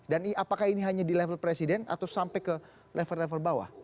dan apakah ini hanya di level presiden atau sampai ke level level bawah